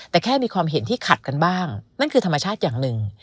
แต่แค่มีความเห็นที่ขัดกันบ้างนั่นคือธรรมชาติอย่างหนึ่ง